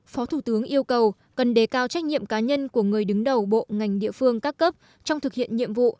phó thủ tướng yêu cầu cần đề cao trách nhiệm cá nhân của người đứng đầu bộ ngành địa phương các cấp trong thực hiện nhiệm vụ